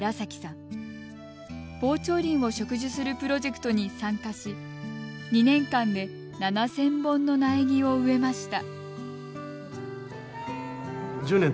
防潮林を植樹するプロジェクトに参加し２年間で７０００本の苗木を植えました。